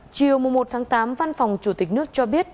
chiều một tám văn phòng chủ tịch nước cho biết